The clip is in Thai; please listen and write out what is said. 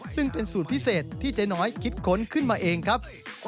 ซึ่งเป็นสูตรพิเศษที่เจ๊น้อยคิดค้นขึ้นมาเองครับ